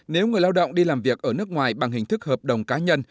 nếu người lao động đi làm việc ở nước ngoài bằng hình thức hợp đồng cá nhân